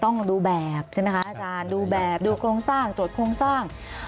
ต้องดูแบบใช่ไหมคะอาจารย์ดูแบบดูโครงสร้างตรวจโครงสร้าง